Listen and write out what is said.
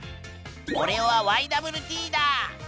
おれはＹＷＴだ！